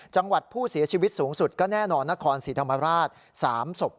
จังหวัดผู้เสียชีวิตสูงสุดก็แน่นอนนครศรีธรรมราช๓ศพ